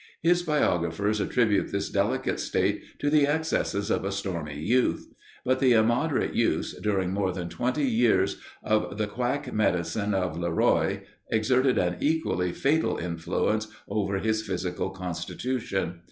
His biographers attribute this delicate state to the excesses of a stormy youth; but the immoderate use, during more than twenty years, of the quack medicine of Le Roy, exerted an equally fatal influence over his physical constitution.